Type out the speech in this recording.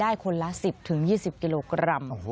คนละ๑๐๒๐กิโลกรัม